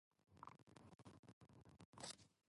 アルバイトを辞めたいと思っている